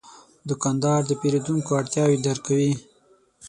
دوکاندار د پیرودونکو اړتیاوې درک کوي.